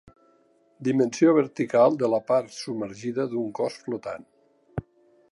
Dimensió vertical de la part submergida d'un cos flotant.